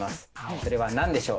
それはなんでしょう？